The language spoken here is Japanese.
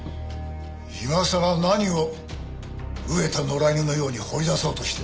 今さら何を飢えた野良犬のように掘り出そうとして。